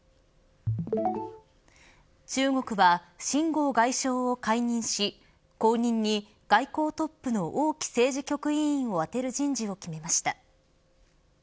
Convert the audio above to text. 中国は秦剛外相を解任し後任に、外交トップの王毅政治局委員を充てる人事を決めました。